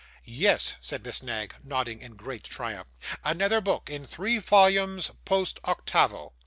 'Yes,' said Miss Knag, nodding in great triumph; 'another book, in three volumes post octavo.